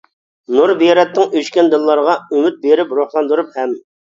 نۇر بېرەتتىڭ ئۆچكەن دىللارغا، ئۈمىد بېرىپ، روھلاندۇرۇپ ھەم.